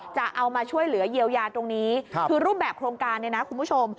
จะเอามาช่วยเหลือเยียวยาตรงนี้คือรูปแบบโครงการเนี่ยนะคุณผู้ชม